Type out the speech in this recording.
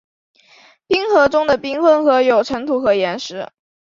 冰河中的冰混合有尘土和岩石。